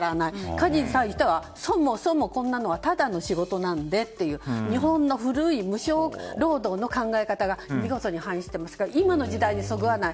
家事についてはそもそも、こんなのはただの仕事なんでという日本の古い無償労働の考え方が見事に反映されてますから今の時代にそぐわない。